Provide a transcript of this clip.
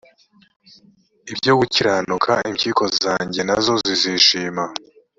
ibyo gukiranuka g impyiko zanjye na zo zizishima